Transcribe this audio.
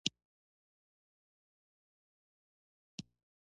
د شوروي اتحاد وده یې یو ښه مثال دی.